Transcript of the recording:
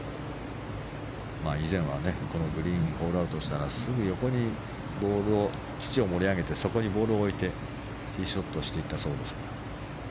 以前はこのグリーンホールアウトしたらすぐ横に土を盛り上げてそこにボールを置いてティーショットしていったそうですが。